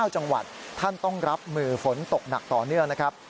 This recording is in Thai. ๙จังหวัดท่านต้องรับมือฝนตกหนักต่อเนื่องนะครับ